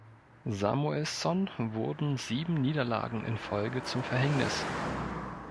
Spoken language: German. Samuelsson wurden sieben Niederlagen in Folge zum Verhängnis.